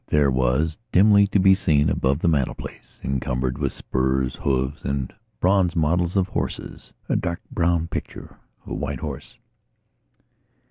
There was dimly to be seen, above a mantelpiece encumbered with spurs, hooves and bronze models of horses, a dark brown picture of a white horse.